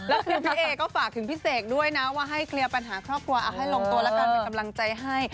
แล้วคือพี่เอก็ฝากถึงพี่เสกด้วยนะว่าให้เคลียร์ปัญหาครอบครัวเอาให้ลงตัวแล้วกันเป็นกำลังใจให้